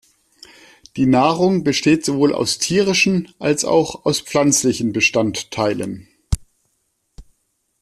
Die Nahrung besteht sowohl aus tierischen als auch aus pflanzlichen Bestandteilen.